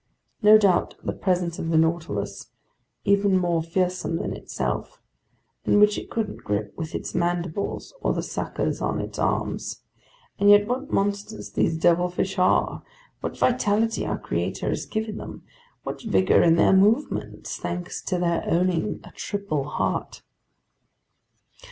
No doubt the presence of the Nautilus, even more fearsome than itself, and which it couldn't grip with its mandibles or the suckers on its arms. And yet what monsters these devilfish are, what vitality our Creator has given them, what vigor in their movements, thanks to their owning a triple heart!